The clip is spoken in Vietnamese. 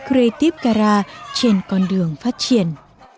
creative dara trên con đường phát triển